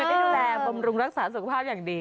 ได้ดูแลบำรุงรักษาสุขภาพอย่างดี